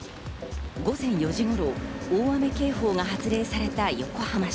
午前４時頃、大雨警報が発令された横浜市。